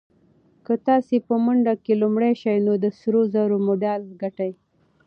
که تاسي په منډه کې لومړی شئ نو د سرو زرو مډال ګټئ.